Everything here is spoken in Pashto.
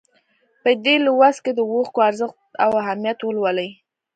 په دې لوست کې د اوښکو ارزښت او اهمیت ولولئ.